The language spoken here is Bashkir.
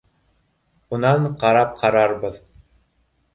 Унан ҡарап ҡарарбыҙ